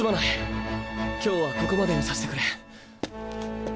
今日はここまでにさせてくれ。